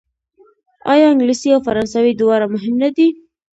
آیا انګلیسي او فرانسوي دواړه مهمې نه دي؟